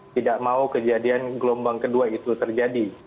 tidak mau kejadian gelombang kedua itu terjadi